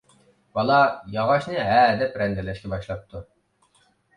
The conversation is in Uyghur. بالا ياغاچنى ھەدەپ رەندىلەشكە باشلاپتۇ.